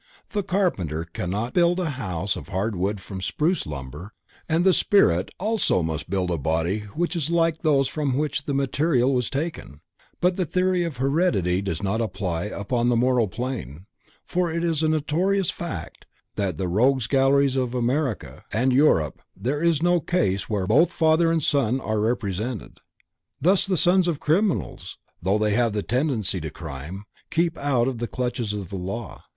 The carpenter cannot build a house of hard wood from spruce lumber and the spirit also must build a body which is like those from which the material was taken, but the theory of Heredity does not apply upon the moral plane, for it is a notorious fact, that in the rogues galleries of America and Europe there is no case where both father and son are represented. Thus the sons of criminals, though they have the tendencies to crime, keep out of the clutches of the law.